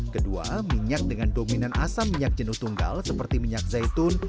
kedua minyak dengan dominan asam minyak jenuh tunggal seperti minyak zaitun